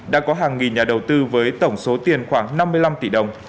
đã có hàng nghìn nhà đầu tư với tổng số tiền khoảng năm mươi năm tỷ đồng